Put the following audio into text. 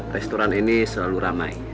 restoran ini selalu ramai